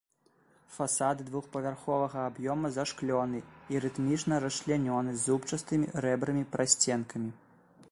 Фасады двухпавярховага аб'ёма зашклёны і рытмічна расчлянёны зубчастымі рэбрамі-прасценкамі.